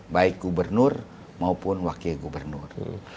baik gubernur maupun wakil gubernur